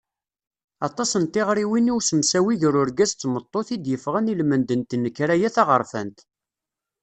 Aṭas n tiɣriwin i usemsawi gar urgaz d tmeṭṭut i d-yeffɣen i lmend n tnekkra-a taɣerfant.